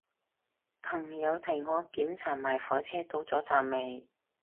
朋友提我檢查埋火車到咗站未